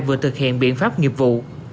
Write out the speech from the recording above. vừa thực hiện biện pháp nghiệp vụ